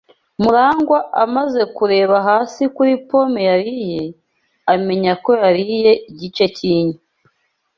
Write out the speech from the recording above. MuragwA amaze kureba hasi kuri pome yariye, amenya ko yariye igice cyinyo.